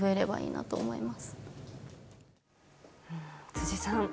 辻さん。